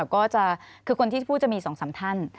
ก็คือคนที่พูดจะมี๒๓ท่าน